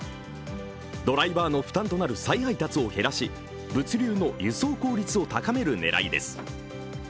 ドライバーの負担となる再配達を減らし物流の輸送効率を高める狙いです。